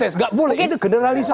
enggak boleh itu generalisasi